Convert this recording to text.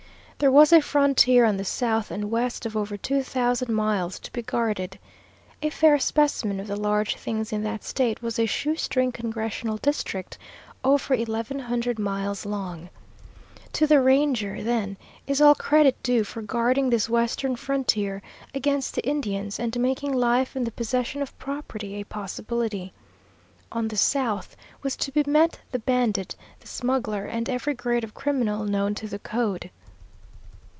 There was a frontier on the south and west of over two thousand miles to be guarded. A fair specimen of the large things in that State was a shoe string congressional district, over eleven hundred miles long. To the Ranger, then, is all credit due for guarding this western frontier against the Indians and making life and the possession of property a possibility. On the south was to be met the bandit, the smuggler, and every grade of criminal known to the code.